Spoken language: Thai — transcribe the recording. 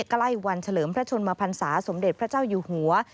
ใกล้วันเฉลิมพระชนมพันศาสมเด็จพระเจ้าอยู่หัว